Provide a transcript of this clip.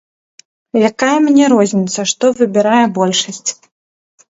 Якая мне розніцца, што выбірае большасць.